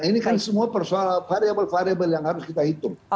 ini kan semua persoalan variable variable yang harus kita hitung